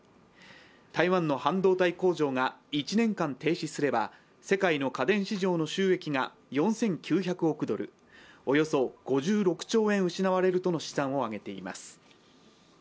台湾の半導体工場が１年間停止すれば世界の家電市場の収益が４９００億ドル、およそ５６兆円失われるとの試算を挙げています。